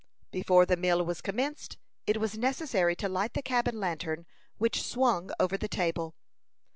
Before the meal was commenced, it was necessary to light the cabin lantern, which swung over the table.